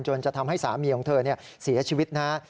จะทำให้สามีของเธอเสียชีวิตนะฮะ